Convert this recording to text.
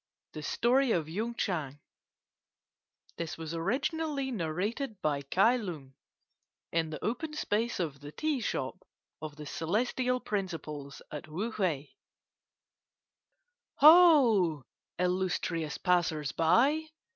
THE STORY OF YUNG CHANG Narrated by Kai Lung, in the open space of the tea shop of The Celestial Principles, at Wu whei. "Ho, illustrious passers by!"